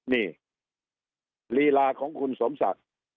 นี่ลีลาของคุณสมศักดิ์